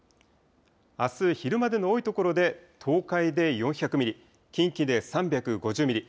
あす昼までの多いところで東海で４００ミリ、近畿で３５０ミリ